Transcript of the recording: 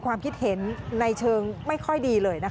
ความคิดเห็นในเชิงไม่ค่อยดีเลยนะคะ